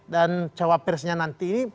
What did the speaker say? dan cawapresnya nanti